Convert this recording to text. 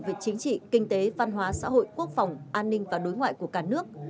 về chính trị kinh tế văn hóa xã hội quốc phòng an ninh và đối ngoại của cả nước